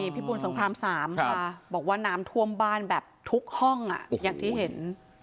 พิบูรสงคราม๓ค่ะบอกว่าน้ำท่วมบ้านแบบทุกห้องอย่างที่เห็น